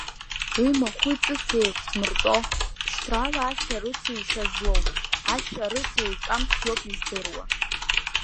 Уи махәи-ҵыси еиқәзмыртәо, бшьҭрала ашәарыцаҩ ишьа злоу, ашәарыцаҩ еиҿамс иоуп издыруа.